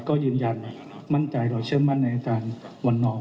ก็ยืนยันมั่นใจรอเชื่อมั่นในอีกทางวันนอก